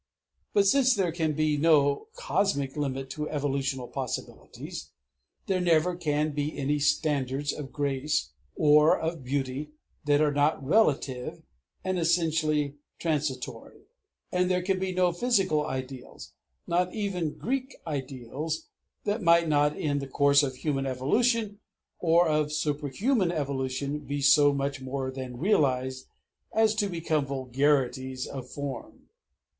But since there can be no cosmic limit to evolutional possibilities, there never can be any standards of grace or of beauty that are not relative and essentially transitory; and there can be no physical ideals, not even Greek ideals, that might not in the course of human evolution or of superhuman evolution be so much more than realized as to become vulgarities of form.